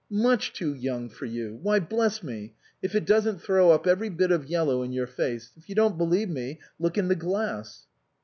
" Much too young for you ! Why, bless me, if it doesn't throw up every bit of yellow in your face ! If you don't believe me, look in the glass."